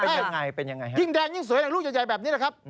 ยิ่งแดงยิ่งสวยลูกใหญ่แบบนี้แหละครับ